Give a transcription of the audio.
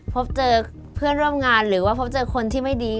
พบเจอเพื่อนร่วมงานหรือว่าพบเจอคนที่ไม่ดี